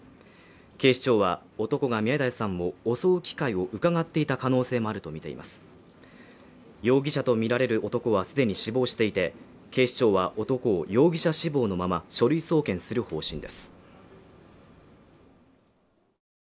警視庁は男が宮台さんを襲う機会を窺っていた可能性もあるとみています容疑者とみられる男はすでに死亡していて警視庁は男を容疑者死亡のまま書類送検する方針です